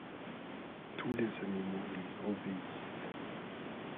Tous les animaux lui obéissent.